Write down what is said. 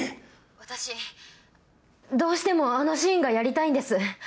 私どうしてもあのシーンがやりたいんです。